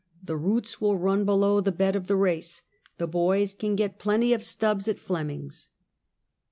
The roots will run below the bed of the race. The boys can get plenty of stubs at Flemming's."